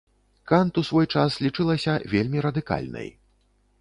Кант ў свой час лічылася вельмі радыкальнай.